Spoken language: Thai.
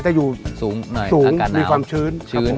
แต่อยู่สูงมีความชื้นชื้น